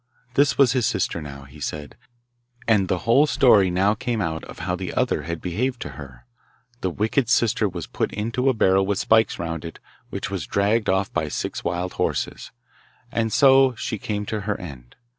This was his sister now, he said; and the whole story now came out of how the other had behaved to her. The wicked sister was put into a barrel with spikes round it which was dragged off by six wild horses, and so she came to her end.